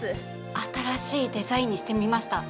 新しいデザインにしてみました。